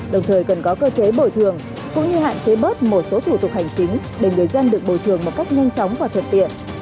đồng thời cần có cơ chế bồi thường cũng như hạn chế bớt một số thủ tục hành chính để người dân được bồi thường một cách nhanh chóng và thuận tiện